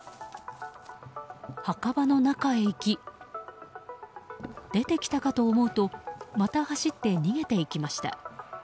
墓場の中へ行き出てきたかと思うとまた走って逃げていきました。